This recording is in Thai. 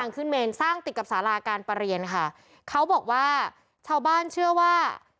ขึ้นเมนสร้างติดกับสาราการประเรียนค่ะเขาบอกว่าชาวบ้านเชื่อว่า